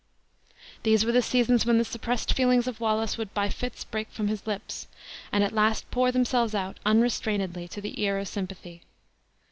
These were the seasons when the suppressed feelings of Wallace would by fits break from his lips, and at last pour themselves out, unrestrainedly, to the ear of sympathy.